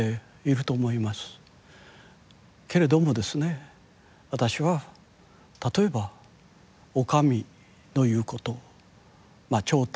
けれどもですね私は例えばお上の言うこと頂点これにですね